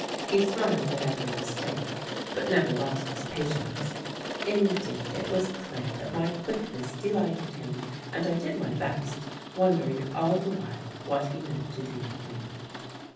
He smiled at every mistake, but never lost his patience; indeed it was clear that my quickness delighted him, and I did my best, wondering all the while what he meant to do with me.